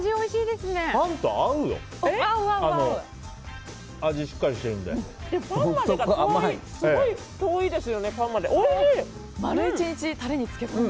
すごい遠いですよね、パンまで。